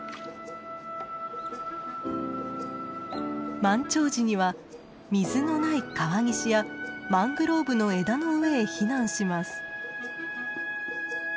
満潮時には水のない川岸やマングローブの枝の上へ避難します。